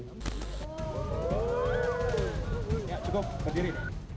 ya cukup berdiri